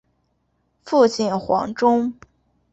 父亲黄中。